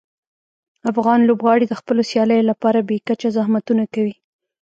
افغان لوبغاړي د خپلو سیالیو لپاره بې کچه زحمتونه کوي.